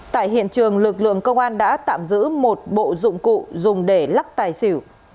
tại hiện trường lực lượng công an đã tạm giữ một bộ dụng cụ dùng để lắc tài xỉu